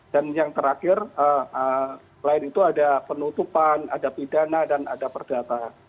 dan yang terakhir lain itu ada penutupan ada pidana dan ada perdata